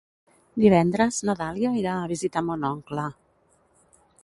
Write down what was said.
Divendres na Dàlia irà a visitar mon oncle.